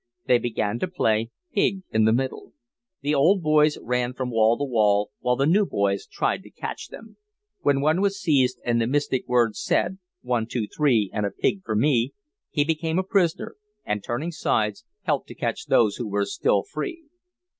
They began to play Pig in the Middle. The old boys ran from wall to wall while the new boys tried to catch them: when one was seized and the mystic words said—one, two, three, and a pig for me—he became a prisoner and, turning sides, helped to catch those who were still free.